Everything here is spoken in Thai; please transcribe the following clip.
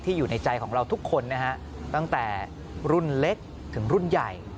อยู่ในใจของเราทุกคนนะฮะตั้งแต่รุ่นเล็กถึงรุ่นใหญ่